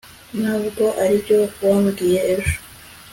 ntabwo aribyo wambwiye ejo